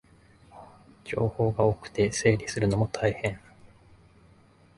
情報が多くて整理するのも大変